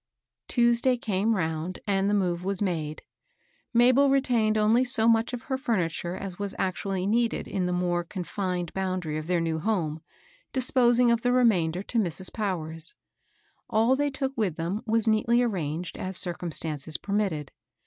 Tuesday came round, and the move was made. Mabel retained only so much of her furniture as was actually needed in the more confined boundary of their new home, disposing of the remainder to Mrs. Powers. All they took with them was neatly arranged as circumstances permitted.